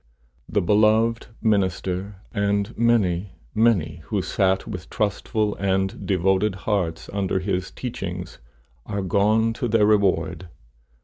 The beloved minister, and many, many who sat with trustful and devoted hearts under his teachings, are gone to their reward.